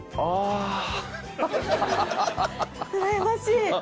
うらやましい。